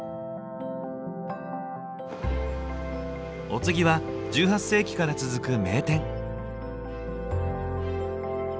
お次は１８世紀から続く名店。